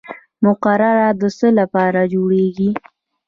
مقرره د څه لپاره جوړیږي؟